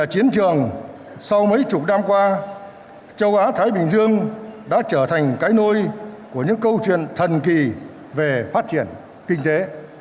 châu á thái bình dương đã trở thành cái nôi của những câu chuyện thần kỳ về phát triển kinh tế